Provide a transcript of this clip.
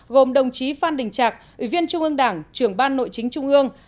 gồm đồng chí phan đình trạc ủy viên trung ương đảng trưởng ban nội chính trung ương